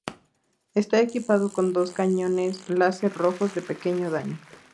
Está equipado con dos cañones láser rojos, de pequeño daño.